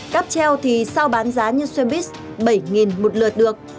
cắp treo thì sao bán giá như swambis bảy một lượt được